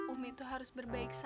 ummi itu harus berbaik saja